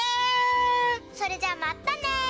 それじゃあまったね！